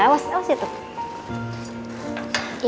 awas awas ya tuh